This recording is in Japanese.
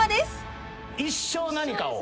一生何かを。